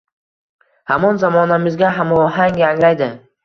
hamon zamonamizga hamohang yangraydi.